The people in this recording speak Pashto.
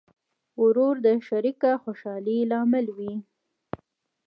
ورور د شریکه خوشحالۍ لامل وي.